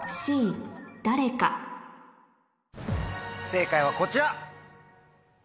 正解はこちら！